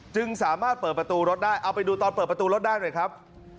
จึงสามารถเปิดประตูรถได้เอาไปดูตอนเปิดประตูรถได้หน่อยครับ